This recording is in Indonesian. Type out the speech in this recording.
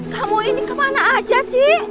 kamu ini kemana aja sih